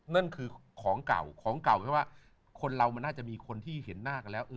นั่นคือของเก่าของเก่าแค่ว่าคนเรามันน่าจะมีคนที่เห็นหน้ากันแล้ว